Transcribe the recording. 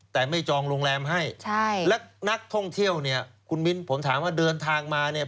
แต่ไม่จองโรงแรมให้ใช่และนักท่องเที่ยวเนี่ยคุณมิ้นผมถามว่าเดินทางมาเนี่ย